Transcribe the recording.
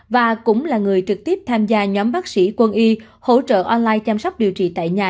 và cũng là người trực tiếp tham gia nhóm bác sĩ quân y hỗ trợ online chăm sóc điều trị tại nhà